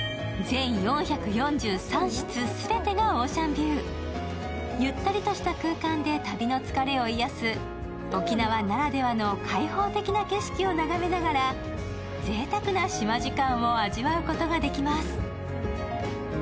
全４４３室全てがオーシャンビューゆったりとした空間で旅の疲れを癒やす沖縄ならではの開放的な景色を眺めながらぜいたくな島時間を味わうことができます。